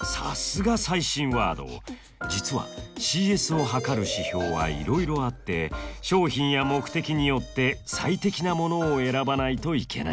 実はＣＳを測る指標はいろいろあって商品や目的によって最適なものを選ばないといけないんです。